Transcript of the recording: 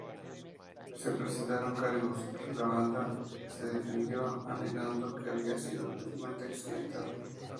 Se presentaron cargos, pero la banda se defendió alegando que había sido totalmente accidental.